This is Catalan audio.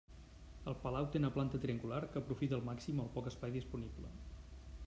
El palau té una planta triangular, que aprofita al màxim el poc espai disponible.